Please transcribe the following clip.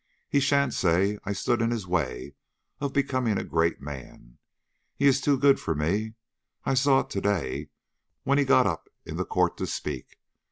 He sha'n't say I stood in his way of becoming a great man. He is too good for me. I saw it to day when he got up in the court to speak.